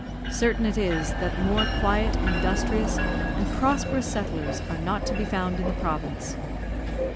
Certain it is, that more quiet, industrious, and prosperous settlers, are not to be found in the Province.